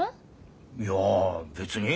いや別に？